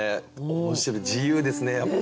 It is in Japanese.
面白い自由ですねやっぱ。